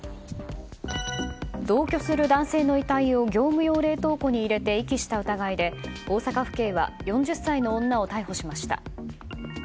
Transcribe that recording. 同居する男性の遺体を業務用冷凍庫に入れて遺棄した疑いで大阪府警は４０歳の女を逮捕しました。